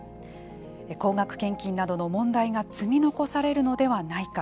高額献金などの問題が積み残されるのではないか。